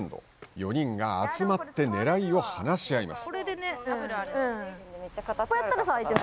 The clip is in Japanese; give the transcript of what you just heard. ４人が集まってねらいを話し合います。